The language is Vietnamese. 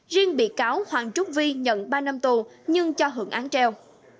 riêng bị cáo hoàng trúc vi nhận ba năm tù nhưng cho hưởng án treo